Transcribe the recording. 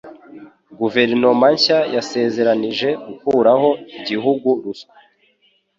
Guverinoma nshya yasezeranije gukuraho igihugu ruswa.